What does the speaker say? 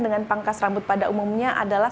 dengan pangkas rambut pada umumnya adalah